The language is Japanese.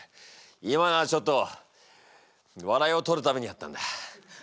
今のはちょっと笑いを取るためにやったんだ。